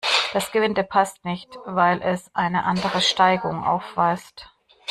Das Gewinde passt nicht, weil es eine andere Steigung aufweist.